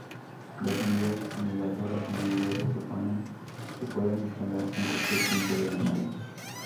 Las unidades generadoras individuales se pueden instalar en cualquier punto de la nave.